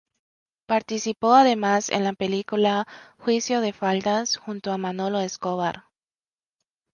Participó además en las película "Juicio de faldas" junto a Manolo Escobar.